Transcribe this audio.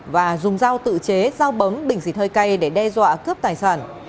và dùng dao tự chế dao bấm bình xịt hơi cay để đe dọa cướp tài sản